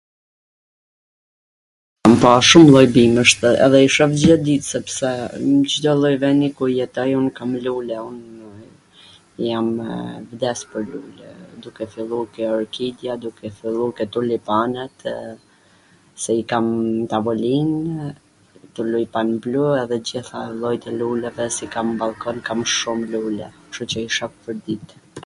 kam pa shum lloj bimwsh, edhe i shoh gjith ditws, sepse nw Cdo lloj veni ku jetoj un kam lule, un jamw... vdes pwr lule... duke fillu ke orkidja, duke fillu ke tulipanet, se i kam n tavolin, tulipan blu edhe t gjitha llojet e luleve, se i kam n ballkon, kam shum lule, kshtu qw i shof pwr dit